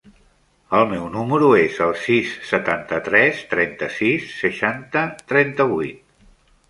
El meu número es el sis, setanta-tres, trenta-sis, seixanta, trenta-vuit.